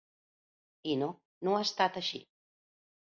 I no, no ha estat així.